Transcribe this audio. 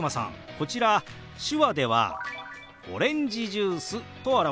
こちら手話では「オレンジジュース」と表しますよ。